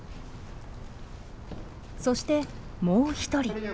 そしてもう一人。